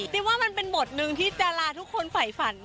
นี่ว่ามันเป็นบทนึงที่จะลาทุกคนไฝฝันไหม